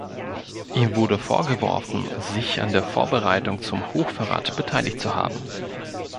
Ihm wurde vorgeworfen sich an der Vorbereitung zum Hochverrat beteiligt zu haben.